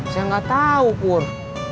saya gak tau pur